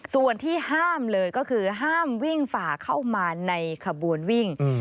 ส่วนที่ห้ามเลยก็คือห้ามวิ่งฝ่าเข้ามาในขบวนวิ่ง